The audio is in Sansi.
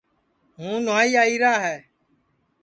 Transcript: ہوں نہوائی آئی را ہے